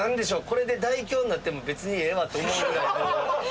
これで大凶になっても別にええわと思うぐらいもう。